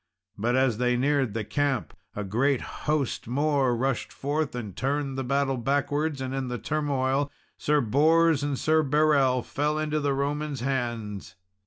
But as they neared the camp, a great host more rushed forth, and turned the battle backwards, and in the turmoil, Sir Bors and Sir Berel fell into the Romans' hands.